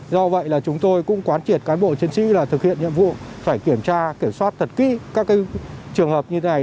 do vậy là chúng tôi cũng quán triệt cán bộ chiến sĩ là thực hiện nhiệm vụ phải kiểm tra kiểm soát thật kỹ các trường hợp như thế này